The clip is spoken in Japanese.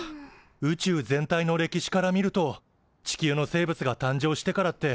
宇宙全体の歴史から見ると地球の生物が誕生してからって